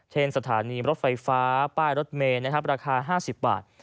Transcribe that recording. สถานีรถไฟฟ้าป้ายรถเมย์ราคา๕๐บาท